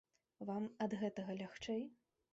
Вам ад гэтага лягчэй?